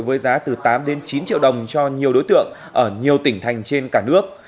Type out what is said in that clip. với giá từ tám đến chín triệu đồng cho nhiều đối tượng ở nhiều tỉnh thành trên cả nước